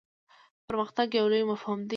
پرمختګ یو لوی مفهوم دی.